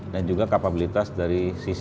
dan juga kapabilitas dari seorang penyelenggara